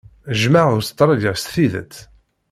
Jjmeɣ Ustṛalya s tidet.